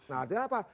nah artinya apa